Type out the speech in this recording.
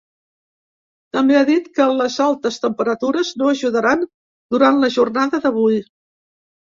També ha dit que les altes temperatures no ajudaran durant la jornada d’avui.